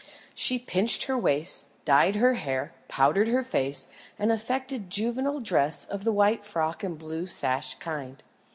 She pinched her waist, dyed her hair, powdered her face, and affected juvenile dress of the white frock and blue sash kind.